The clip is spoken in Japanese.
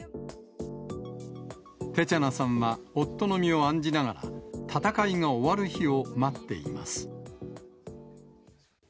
テチャナさんは、夫の身を案じながら、戦いが終わる日を待っています。